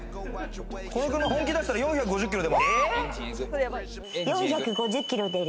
この車、本気出したら４５０キロ出る。